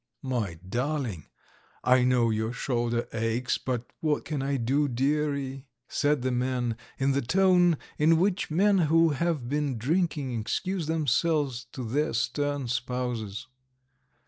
"My darling, I know your shoulder aches, but what can I do, dearie?" said the man, in the tone in which men who have been drinking excuse themselves to their stern spouses.